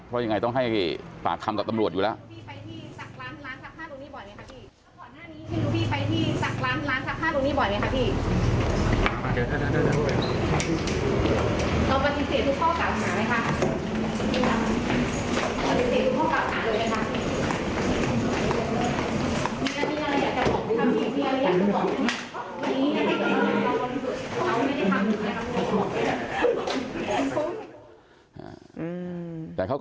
เพราะยังไงต้องให้ปากคำกับตำรวจอยู่แล้ว